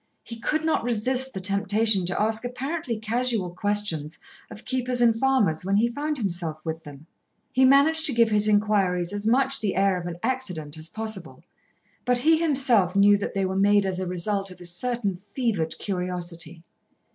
He could not resist the temptation to ask apparently casual questions of keepers and farmers when he found himself with them. He managed to give his inquiries as much the air of accident as possible, but he himself knew that they were made as a result of a certain fevered curiosity.